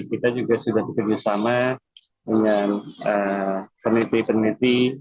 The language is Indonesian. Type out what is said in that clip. kita sudah bekerja sama dengan peneliti peneliti